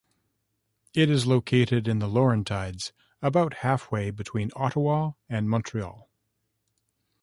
It is located in the Laurentides, about halfway between Ottawa and Montreal.